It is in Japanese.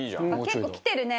結構きてるね。